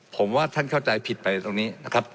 ผมว่าท่านเข้าใจผิดไปตรงนี้นะครับ